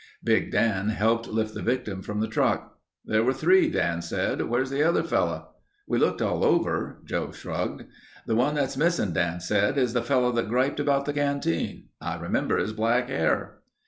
Big Dan helped lift the victim from the truck. "There were three," Dan said. "Where is the other fellow?" "We looked all over," Joe shrugged. "The one that's missing," Dan said, "is the fellow that griped about the canteen. I remember his black hair."